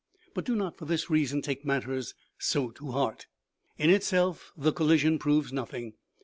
But do not for this reason, take matters so to heart. In itself the collision proves nothing.